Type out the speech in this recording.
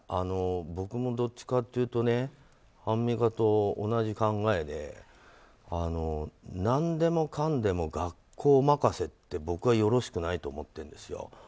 僕も、どっちかというとアンミカと同じ考えで何でもかんでも学校任せって僕はよろしくないと思ってるんですよ。